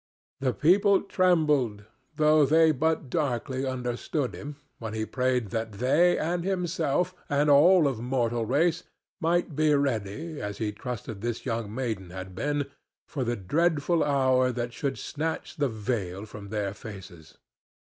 The people trembled, though they but darkly understood him, when he prayed that they and himself, and all of mortal race, might be ready, as he trusted this young maiden had been, for the dreadful hour that should snatch the veil from their faces.